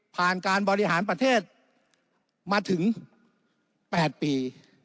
การบริหารประเทศมาถึง๘ปี